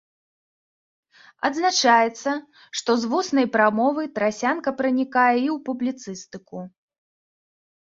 Адзначаецца, што з вуснай прамовы трасянка пранікае і ў публіцыстыку.